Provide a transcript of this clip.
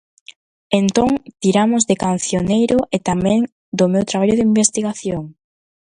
Entón, tiramos de cancioneiro e tamén do meu traballo de investigación.